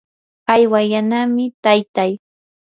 aywallanami taytay.